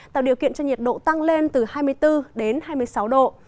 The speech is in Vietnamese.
tạo điều kiện cho nhiệt độ tăng lên từ hai mươi bốn đến hai mươi sáu độ